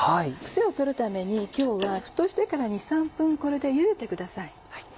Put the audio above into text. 癖を取るために今日は沸騰してから２３分これでゆでてください。